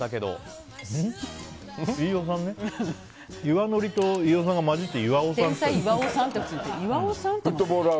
岩のりと飯尾さんが混じって岩尾さんって。